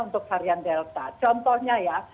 untuk varian delta contohnya ya